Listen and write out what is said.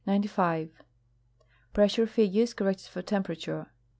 850 87 " Pressure figures corrected for tem perature.